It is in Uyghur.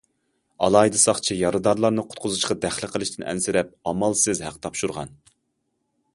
ئالاھىدە ساقچى يارىدارنى قۇتقۇزۇشقا دەخلى قىلىشتىن ئەنسىرەپ، ئامالسىز ھەق تاپشۇرغان.